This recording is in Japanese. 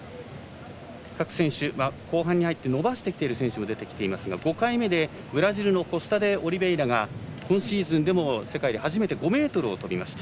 各選手、後半に入って伸ばしている選手も出てきていますが５回目でブラジルのコスタデオリベイラが今シーズンでも世界で初めて５ｍを跳びました。